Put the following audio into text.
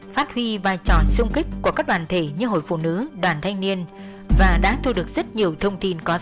phát huy vai trò sung kích của các đoàn thể như hội phụ nữ đoàn thanh niên và đã thu được rất nhiều thông tin có giá trị